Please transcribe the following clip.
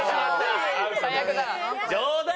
冗談！